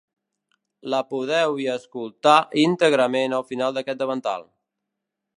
La podeu i escoltar íntegrament al final d’aquest davantal.